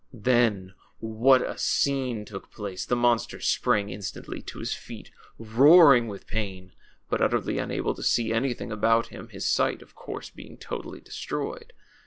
Then what a scene took place ! The monster sprang instantly to his feet, roaring with pain, but utterly unable to see anything about him, his sight, of course, being totally destroyed.